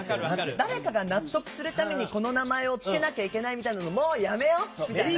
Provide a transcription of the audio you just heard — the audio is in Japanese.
誰かが納得するためにこの名前を付けなきゃいけないみたいなのもうやめよう！みたいな。